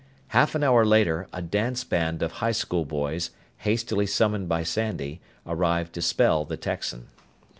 Half an hour later, a dance band of high school boys, hastily summoned by Sandy, arrived to spell the Texan.